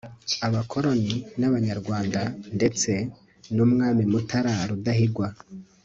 abakoloni n'abanyarwanda, ndetse n'umwami mutara rudahigwa